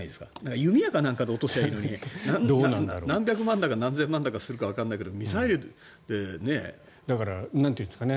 弓矢かなんかで落とせばいいのに何百万だか何千万だかするかわからないけどミサイルでね。